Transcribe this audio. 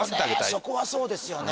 そこはそうですよね